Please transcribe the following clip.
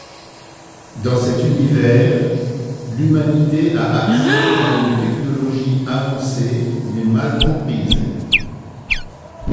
Dans cet univers, l'humanité a accès à une technologie avancée mais mal comprise.